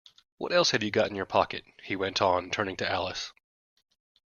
‘What else have you got in your pocket?’ he went on, turning to Alice.